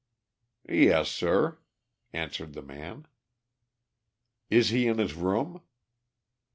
"Yes, sir," answered the man. "Is he in his room?"